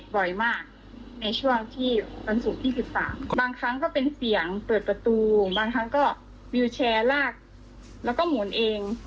บางครั้งก็เป็นเสียงเปิดประตูบางครั้งก็วิวแชร์ลากแล้วก็หมุนเอง